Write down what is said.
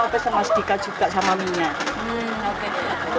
pesan mas dika juga sama minyak